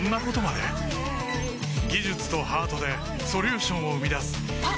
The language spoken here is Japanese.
技術とハートでソリューションを生み出すあっ！